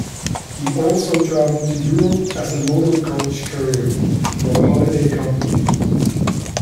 He also travelled Europe as a motor coach courier for a holiday company.